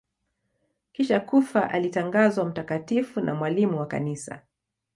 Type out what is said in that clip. Kisha kufa alitangazwa mtakatifu na mwalimu wa Kanisa.